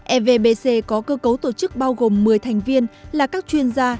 evbc có cơ cấu tổ chức bao gồm một mươi thành viên là các chuyên gia